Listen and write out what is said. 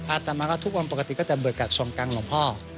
อาจจะมาทุกวันปกติก็จะเบิดกับชวงกังหลวงพ่อ